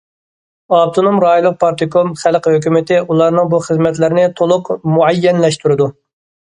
ئاپتونوم رايونلۇق پارتكوم، خەلق ھۆكۈمىتى ئۇلارنىڭ بۇ خىزمەتلىرىنى تولۇق مۇئەييەنلەشتۈرىدۇ.